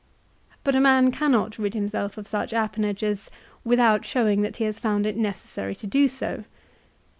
But a man cannot rid himself of such appanages without showing that he has found it necessary to do so.